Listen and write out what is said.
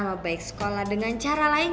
mas ke kamar mandi dulu